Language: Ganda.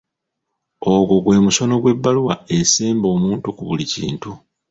Ogwo gwe musono gw'ebbaluwa esemba omuntu ku buli kintu.